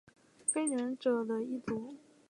非人者的一族。